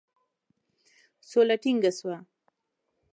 سوله ټینګه سوه.